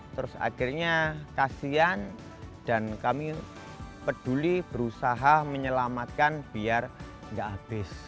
terus akhirnya kasian dan kami peduli berusaha menyelamatkan biar nggak habis